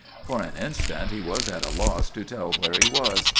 For an instant he was at a loss to tell where he was.